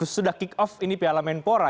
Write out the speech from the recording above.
sudah kick off ini piala menpora